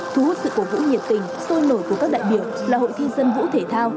thu hút sự cổ vũ nhiệt tình sôi nổi của các đại biểu là hội thi dân vũ thể thao